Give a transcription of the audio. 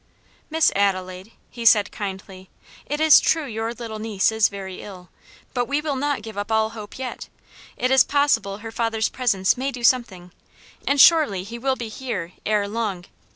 "Miss Adelaide," he said kindly, "it is true your little niece is very ill, but we will not give up all hope yet. It is possible her father's presence may do something, and surely he will be here ere long.